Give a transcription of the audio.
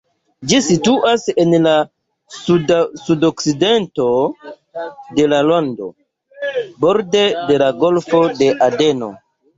Ĝi situas en la sudokcidento de la lando, borde de la Golfo de Adeno.